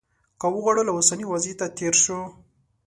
که وغواړو له اوسني وضعیته تېر شو.